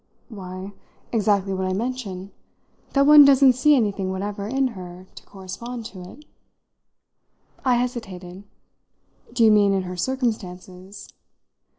"Why, exactly what I mention that one doesn't see anything whatever in her to correspond to it." I hesitated. "Do you mean in her circumstances?"